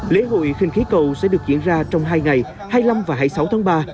lễ hội khinh khí cầu sẽ được diễn ra trong hai ngày hai mươi năm và hai mươi sáu tháng ba